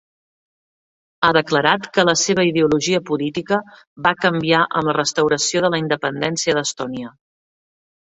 Ha declarat que la seva ideologia política va canviar amb la restauració de la independència d'Estònia.